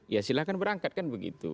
ya silahkan berangkat kan begitu